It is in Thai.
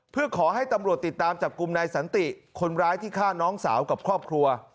เพื่อขอให้ตำรวจติดตามจับกลุ่มนายสันติคนร้ายที่ฆ่าน้องสาวกับครอบครัว